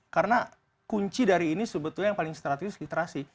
karena kunci dari ini sebetulnya yang paling strategis literasi